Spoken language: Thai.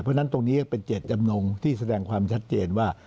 เพราะฉะนั้นตรงนี้ก็เป็นเจตจำนงที่แสดงความชัดเจนว่า